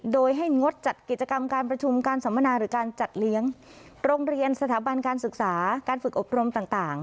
โดยให้งดจัดกิจกรรมการประชุมการสัมมนาหรือการจัดเลี้ยงโรงเรียนสถาบันการศึกษาการฝึกอบรมต่าง